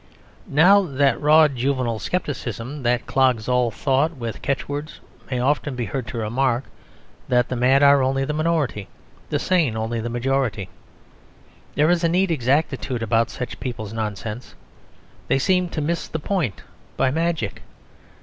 Now that raw juvenile scepticism that clogs all thought with catchwords may often be heard to remark that the mad are only the minority, the sane only the majority. There is a neat exactitude about such people's nonsense; they seem to miss the point by magic.